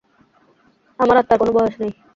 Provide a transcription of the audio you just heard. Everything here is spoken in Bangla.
আমার আত্মার কোনো বয়স নেই।